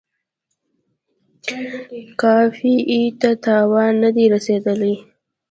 قافیې ته تاوان نه دی رسیدلی.